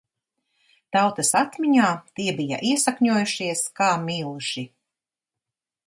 Tautas atmiņā tie bija iesakņojušies kā milži.